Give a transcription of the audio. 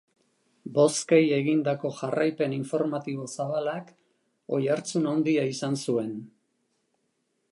Bozkei egindako jarraipen informatibo zabalak oihartzun handia izan zuen.